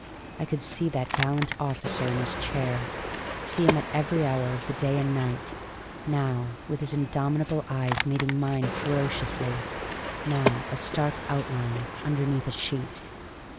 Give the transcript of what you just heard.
I could see that gallant officer in his chair, see him at every hour of the day and night, now with his indomitable eyes meeting mine ferociously, now a stark outline underneath a sheet.